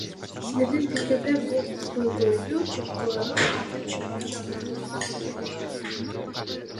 Силердин пикирде, бул көйгөйдү ЖМКлар кантип чагылдыруулары керек?